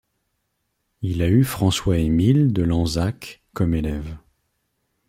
Il a eu François-Émile de Lansac comme élève.